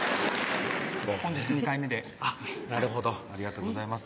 本日２回目であっなるほどありがとうございます